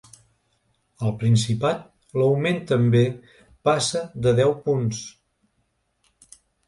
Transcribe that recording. Al Principat l’augment també passa de deu punts.